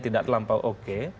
tidak terlampau oke